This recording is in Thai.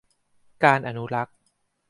การอนุรักษ์